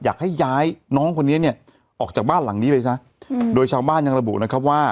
อยากให้ย้ายน้องคนนี้เนี่ยออกจากบ้านหลังนี้ไปซะโดยชาวบ้านยังระบุนะครับว่า